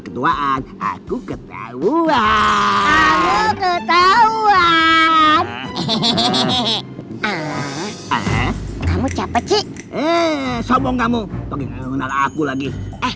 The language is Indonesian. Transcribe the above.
ketuaan aku ketahuan ketahuan hehehe kamu capek eh sombong kamu aku lagi